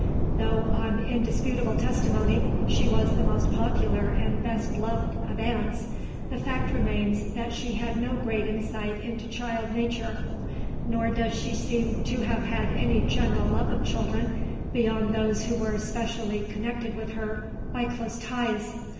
Though on indisputable testimony she was the most popular and best loved of aunts, the fact remains that she had no great insight into child nature, nor does she seem to have had any general love of children beyond those who were specially connected with her by close ties.